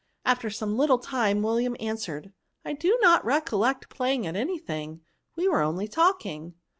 After some little time William answered, " I do not recollect playing at any thing ; we were only talking."